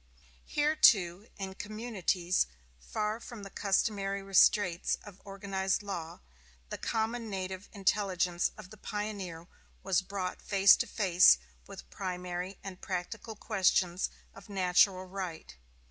Here, too, in communities far from the customary restraints of organized law, the common native intelligence of the pioneer was brought face to face with primary and practical questions of natural right.